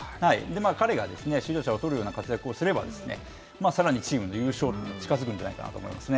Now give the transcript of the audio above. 彼が首位打者を取るような活躍をすれば、さらにチームの優勝は近づくんじゃないかなと思います